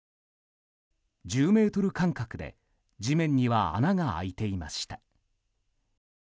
１０ｍ間隔で地面には穴が開いていました。